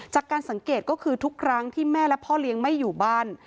จากการสังเกตก็คือทุกครั้งที่แม่และพ่อเลี้ยงไม่อยู่บ้าน